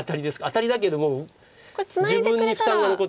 アタリだけども自分に負担が残ってる。